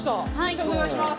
先生お願いします。